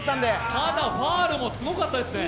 ただ、ファウルもすごかったですね。